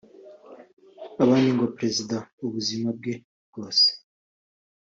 abandi ngo perezida ubuzima bwe bwose